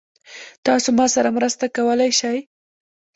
تاسو ما سره مرسته کولی شئ؟